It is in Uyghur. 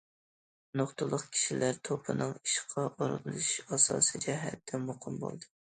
نۇقتىلىق كىشىلەر توپىنىڭ ئىشقا ئورۇنلىشىشى ئاساسىي جەھەتتىن مۇقىم بولدى.